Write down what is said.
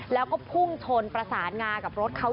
แล้วก็พุ่งชนประสานงากับรถเขา